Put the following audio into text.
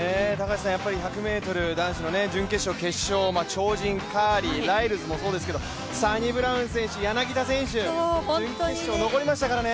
１００ｍ、男子の決勝、超人のカーリー、ライルズもそうですけれども、サニブラウン選手、柳田選手、準決勝残りましたからね